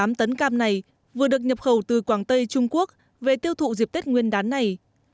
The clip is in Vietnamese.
hơn một mươi tám tấn cam này vừa được nhập khẩu từ quảng tây trung quốc về tiêu thụ dịp tết nguyên đán này